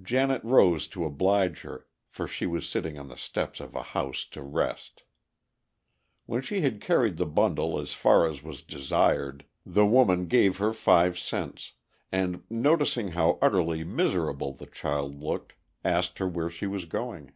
Janet rose to oblige her, for she was sitting on the steps of a house to rest. When she had carried the bundle as far as was desired, the woman gave her five cents, and, noticing how utterly miserable the child looked, asked her where she was going.